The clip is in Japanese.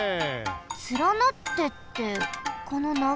つらなってってこのながい団地かな？